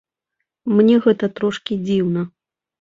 Мне гэта трошкі дзіўна.